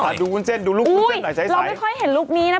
โอ๊ยเราไม่ค่อยเห็นลุคนี้นะ